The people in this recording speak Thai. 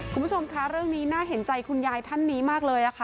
คุณผู้ชมคะเรื่องนี้น่าเห็นใจคุณยายท่านนี้มากเลยค่ะ